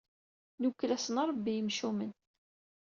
Nwekkel-asen Rebbi i yimcumen.